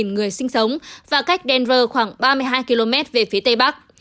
người sinh sống và cách denver khoảng ba mươi hai km về phía tây bắc